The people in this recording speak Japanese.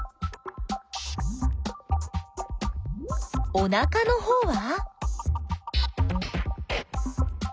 おなかのほうは？